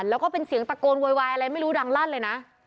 แล้วก็เป็นเสียงตะโกนโวยวายอะไรไม่รู้ดังลั่นเลยนะ